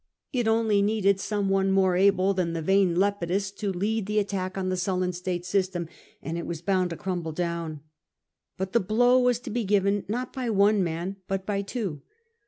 It only needed some one more able than the vain Lepidus to lead the attack on the Sullan state system, and it was bound to crumble down. But the blow was to be given not by one man but by two.